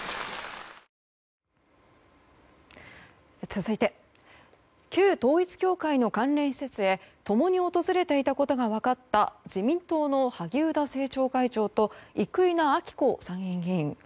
続いて旧統一教会の関連施設へ共に訪れていたことが分かった自民党の萩生田政調会長と生稲晃子参院議員。